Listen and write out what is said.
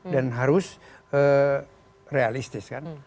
dan harus realistis kan